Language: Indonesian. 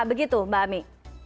begitu mbak ami